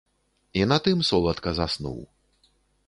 І на тым соладка заснуў.